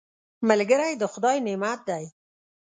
ملګری د خدای نعمت دی